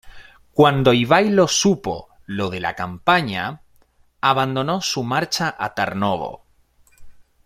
Cuando Ivailo supo lo de la campaña abandonó su marcha a Tarnovo.